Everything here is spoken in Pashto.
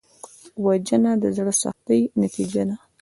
وژنه د زړه سختۍ نتیجه ده